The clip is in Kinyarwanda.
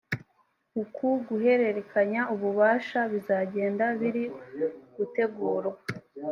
uko guhererekanya ububasha bizajyenda birigutegurwa.